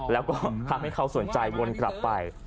แล้วก็ทำให้เขาสนใจวนกลับไป